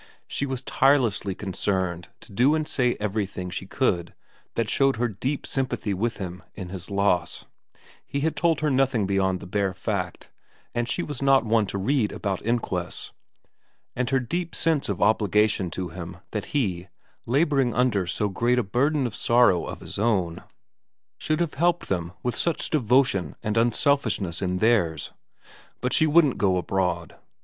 She was tirelessly concerned to do and say everything she could that showed her deep sympathy with him in his loss he had told her nothing beyond the bare fact, and she was not one to read about inquests and her deep sense of obligation to him that he, labouring under so great a burden of sorrow of his own, should have helped them with such devotion and unselfishness in theirs ; but she wouldn't go abroad.